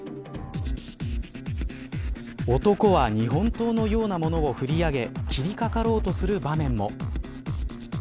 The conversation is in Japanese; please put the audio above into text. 男は日本刀のようなものを振り上げ切りかかろうとする場面も。